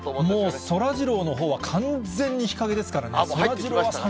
もう、そらジローのほうは完全に日陰ですからね。